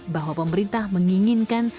bahwa pemerintah menginginkan